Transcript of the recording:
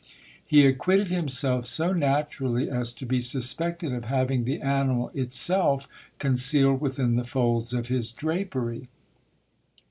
He acquitted himself so naturally as to be suspected of having the animal itself concealed within the folds of his drapery.